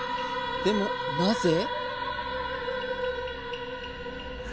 でもなぜ？